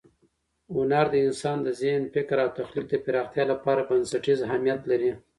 هنر د انسان د ذهن، فکر او تخلیق د پراختیا لپاره بنسټیز اهمیت لري.